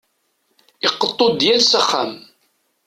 Iqeṭṭu-d yal s axxam.